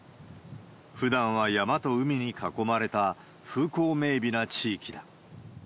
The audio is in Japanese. ふだんは山と海に囲まれた、風光明媚な地域だ。